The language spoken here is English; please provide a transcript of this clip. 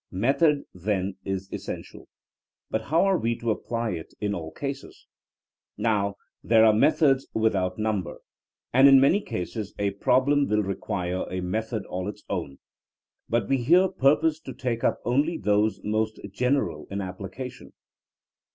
Method, then,, is essential. But how are we to apply it in all cases? Now there are methods without number, and in many cases a problem will require a method all its own ; but we here purpose to take up only those most general in application.